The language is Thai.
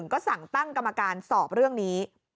ก็สั่งตั้งกรรมการสอบเรื่องนี้